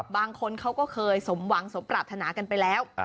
บางคนเขาก็เคยสมหวังสมปรารถนากันไปแล้ว